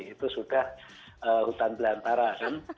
itu sudah hutan belantara kan